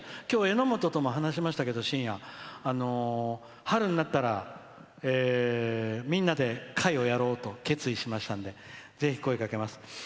きょう、えのもととも話しましたけど春になったらみんなで会をやろうと決意しましたのでぜひ声をかけます。